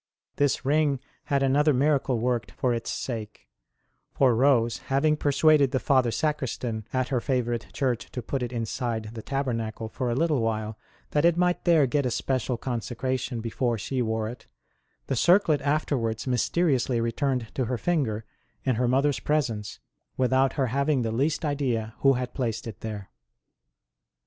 This ring had another miracle worked for its sake ; for Rose, having persuaded the Father Sacristan at her favourite church to put it inside the tabernacle DIVINE VISITANTS TO HER CELL 163 for a little while that it might there get a special consecration before she wore it, the circlet after wards mysteriously returned to her finger in her mother s presence, without her having the least idea who had placed it there.